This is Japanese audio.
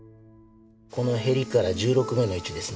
このへりから１６目の位置ですね。